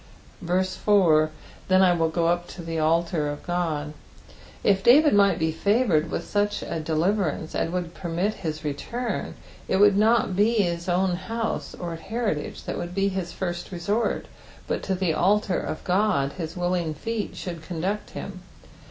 4. "7%«n uiJI / ga unto th^ altar of God." It David might but be fa*ouTed with such adeliverance as would permit his return, it would not be his own house or heritage whicli would be his firet resort, but to the tXtw of God bis willing feet should conduct him.